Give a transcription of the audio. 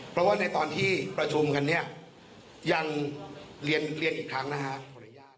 เพราะว่าในตอนที่ประชุมกันเนี่ยยังเรียนอีกครั้งนะครับ